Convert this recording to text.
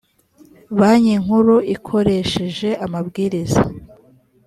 banki nkuru ikoresheje amabwiriza